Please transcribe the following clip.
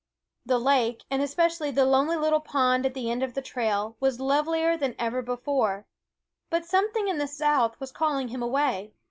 The lake, and espe cially the lonely little pond at the end of the trail, was lovelier than ever before ; but some thing in the south was calling him away.